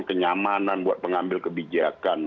penyamanan buat pengambil kebijakan